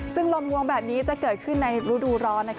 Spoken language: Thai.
ซึ่งลมงวงแบบนี้จะเกิดขึ้นในรูดูร้อน